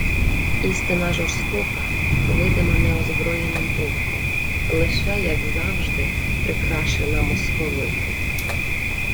Істина жорстока, видима неозброєним оком, лише, як завжди, прикрашена московитом